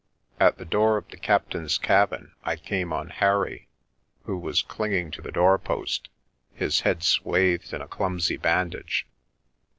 At the door of the captain's cabin I came on Harry, who was clinging to the doorpost, his head swathed in a clumsy bandage.